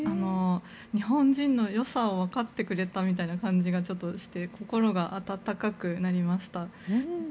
日本人のよさをわかってくれたみたいな感じがして心が温かくなりました。